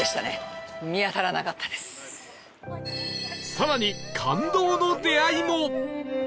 更に感動の出会いも